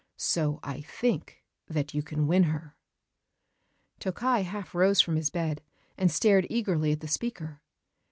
So I think that you can win her." Tokkei half rose from his bed, and stared eagerly at the speaker.